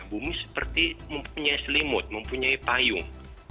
bumi seperti mempunyai selimut mempunyai payung